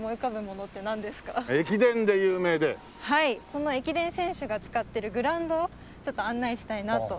その駅伝選手が使っているグラウンドをちょっと案内したいなと。